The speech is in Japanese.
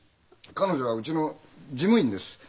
彼女はうちの事務員です。